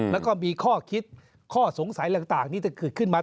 แล้วก็มีข้อคิดข้อสงสัยต่างนี้จะเกิดขึ้นมา